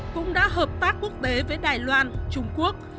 cũng đã hợp tác quốc tế với đài loan trung quốc